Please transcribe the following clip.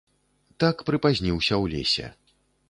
Так прыпазніўся ў лесе.